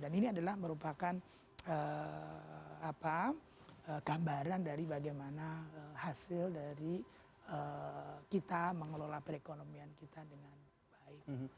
dan ini adalah merupakan gambaran dari bagaimana hasil dari kita mengelola perekonomian kita dengan baik